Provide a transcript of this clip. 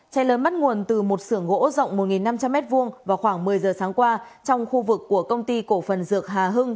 cháy lớn bắt nguồn từ một sưởng gỗ rộng một năm trăm linh m hai vào khoảng một mươi giờ sáng qua trong khu vực của công ty cổ phần dược hà hưng